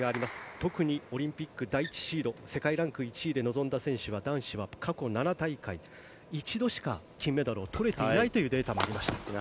特にオリンピック第１シード世界ランク１位で臨んだ選手は男子は過去７大会一度しか金メダルを取れていないというデータもありました。